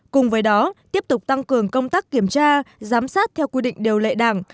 cùng với đó tiếp tục tăng cường công tác kiểm tra giám sát theo quy định điều lệ đảng